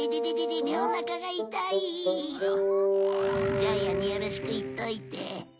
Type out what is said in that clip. ジャイアンによろしく言っといて。